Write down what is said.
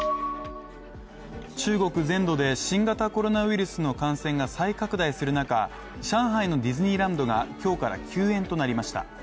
中国全土で新型コロナウイルスの感染が再拡大する中、上海のディズニーランドが今日から休園となりました。